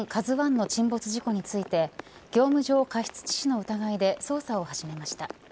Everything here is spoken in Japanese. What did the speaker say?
ＫＡＺＵ１の沈没事故について業務上過失致死の疑いで捜査を始めました。